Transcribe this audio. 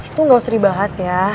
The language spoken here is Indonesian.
itu nggak usah dibahas ya